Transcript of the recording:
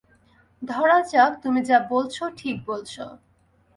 ধরা যাক তুমি যা বলছো ঠিক বলছো।